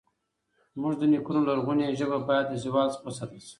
زموږ د نیکونو لرغونې ژبه باید له زوال څخه وساتل شي.